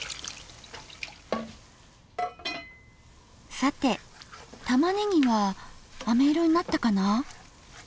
さてたまねぎはあめ色になったかな？